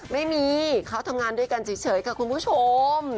ไม่มีเขาทำงานด้วยกันเฉยค่ะคุณผู้ชม